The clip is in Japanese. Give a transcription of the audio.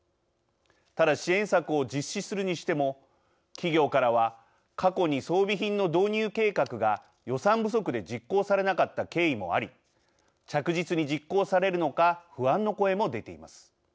ただ支援策を実施するにしても企業からは過去に装備品の導入計画が予算不足で実行されなかった経緯もあり着実に実行されるのか不安の声も出ています。